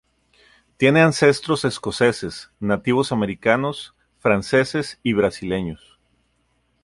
Tiene ancestros escoceses, nativos americanos, franceses y brasileños.